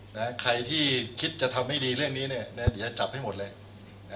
นะฮะใครที่คิดจะทำไม่ดีเรื่องนี้เนี่ยเนี่ยเดี๋ยวจะจับให้หมดเลยนะฮะ